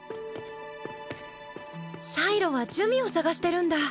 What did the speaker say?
シャイロは珠魅を捜してるんだ？